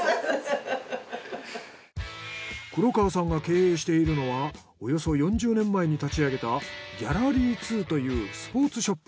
黒川さんが経営しているのはおよそ４０年前に立ち上げたＧＡＬＬＥＲＹ・２というスポーツショップ。